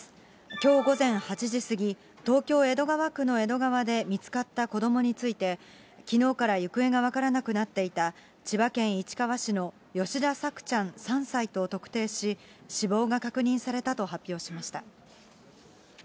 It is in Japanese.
きょう午前８時過ぎ、東京・江戸川区の江戸川で見つかった子どもについて、きのうから行方が分からなくなっていた千葉県市川市の吉田朔ちゃん３歳と特定し、死亡が確認されたと発表しました。